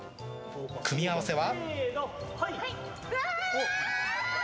組み合わせは。